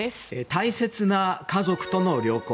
大切な家族との旅行。